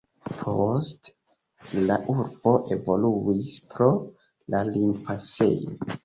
Poste la urbo evoluis pro la limpasejo.